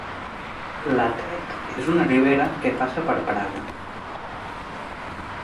La Tet és una ribera que passa per Prada.